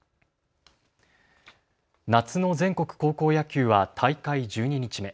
夏の全国高校野球は大会１２日目。